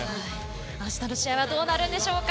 あしたの試合はどうなるんでしょうか。